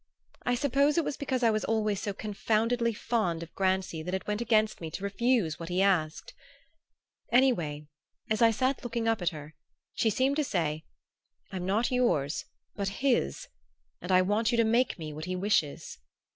I suppose it was because I was always so confoundedly fond of Grancy that it went against me to refuse what he asked. Anyhow, as I sat looking up at her, she seemed to say, 'I'm not yours but his, and I want you to make me what he wishes."